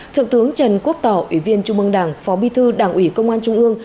thượng thướng trần quốc tỏ ủy viên trung mương đảng phó bi thư đảng ủy công an trung ương